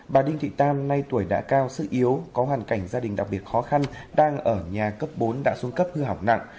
bà đinh thị tam nay tuổi đã cao sức yếu có hoàn cảnh gia đình đặc biệt khó khăn đang ở nhà cấp bốn đã xuống cấp hư hỏng nặng